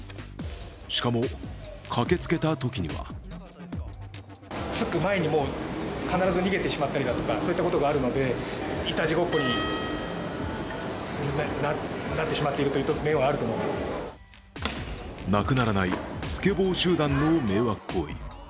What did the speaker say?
しかも、駆けつけたときにはなくならないスケボー集団の迷惑行為。